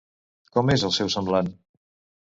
Com és el seu semblant?